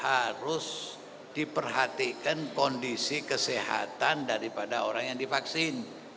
harus diperhatikan kondisi kesehatan daripada orang yang divaksin